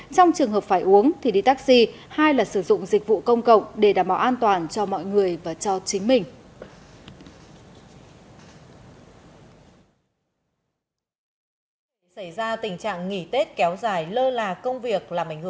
trong trường hợp phải uống thì đi taxi hay là sử dụng dịch vụ công cộng để đảm bảo an toàn cho mọi người và cho chính mình